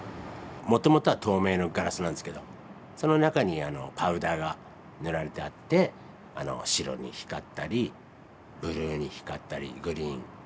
もともとは透明のガラスなんですけどその中にパウダーが塗られてあって白に光ったりブルーに光ったりグリーン。